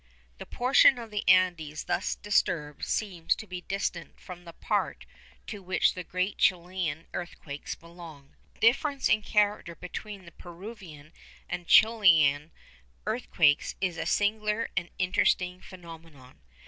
The portion of the Andes thus disturbed seems to be distinct from the part to which the great Chilian earthquakes belong. The difference in character between the Peruvian and Chilian earthquakes is a singular and interesting phenomenon.